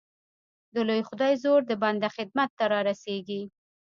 د لوی خدای زور د بنده خدمت ته را رسېږي.